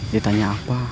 dia tanya apa